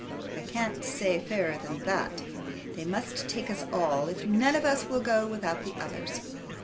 I can't say fairer than that. They must take us all, if none of us will go without the others.